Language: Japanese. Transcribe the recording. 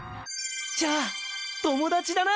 じゃあ友達だな！